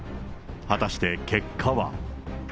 果たして結果は。